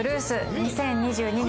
２０２２年